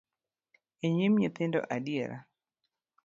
E nyim nyithindo adiera?